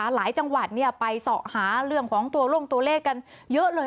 หลายจังหวัดไปเสาะหาเรื่องของตัวลงตัวเลขกันเยอะเลย